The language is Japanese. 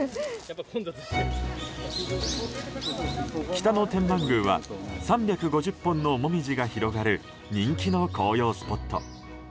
北野天満宮は３５０本のモミジが広がる人気の紅葉スポット。